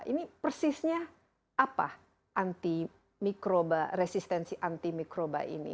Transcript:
ini persisnya apa resistensi antimikroba ini